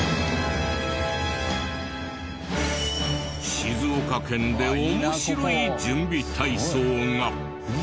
静岡県で面白い準備体操が！？